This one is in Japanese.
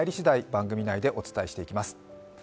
番組内でお伝えしていきます。